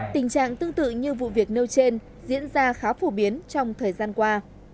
tình trạng tương tự như vụ việc nêu trên diễn ra khá phổ biến trong thời gian qua